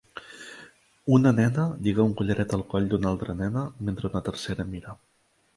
Una nena lliga un collaret al coll d'una altra nena mentre una tercera mira